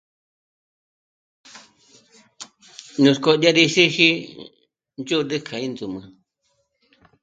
Nuts'k'ó dyé rí sí'ji ndzhôd'ü k'a índzûmü